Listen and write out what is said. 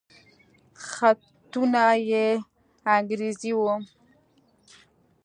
خطونه يې انګريزي وو.